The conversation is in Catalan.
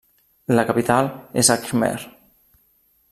La capital és Ajmer.